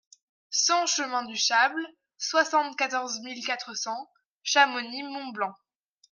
cent chemin du Châble, soixante-quatorze mille quatre cents Chamonix-Mont-Blanc